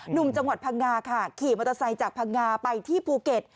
หนุ่มจังหวัดพังงาค่ะขี่มอเตอร์ไซค์จากพังงาไปที่ภูเก็ต